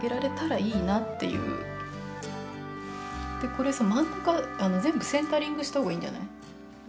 これさ真ん中全部センタリングしたほうがいいんじゃない？